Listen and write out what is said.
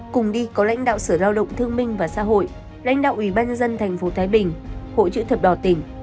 cùng đi có lãnh đạo sở lao động thương minh và xã hội lãnh đạo ubnd tp thái bình hội chữ thập đỏ tỉnh